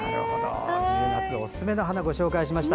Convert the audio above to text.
１０月おすすめの花ご紹介しました。